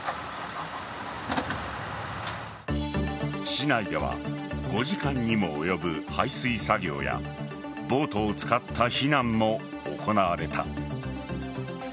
市内では５時間にも及ぶ排水作業やボートを使った避難も行われた。